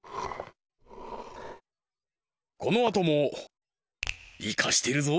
このあともイカしてるぞ！